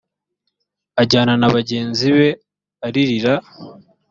ajyana na bagenzi be aririra